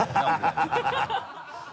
ハハハ